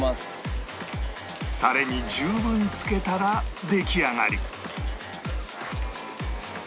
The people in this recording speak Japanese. タレに十分浸けたら出来上がり